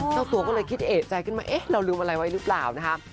เจ้าตัวก็เลยคิดเอกใจขึ้นมาเอ๊ะเราลืมอะไรไว้หรือเปล่านะคะ